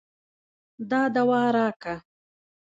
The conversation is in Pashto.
دا دوا راکه.